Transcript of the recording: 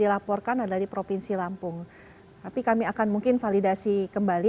tapi kami akan mungkin validasi kembali